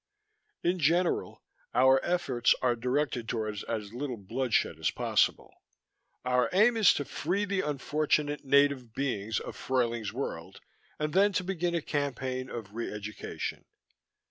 In general, Our efforts are directed toward as little blood shed as possible. Our aim is to free the unfortunate native beings of Fruyling's World, and then to begin a campaign of re education.